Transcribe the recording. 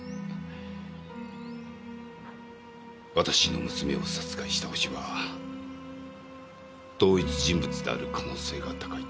私の娘を殺害したホシは同一人物である可能性が高いとか。